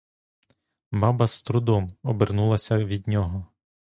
Баба з трудом обернулася від нього.